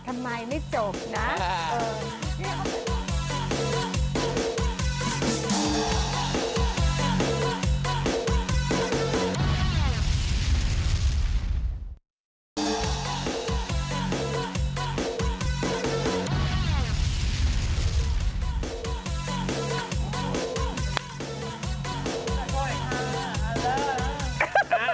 ทำไมไม่จบนะ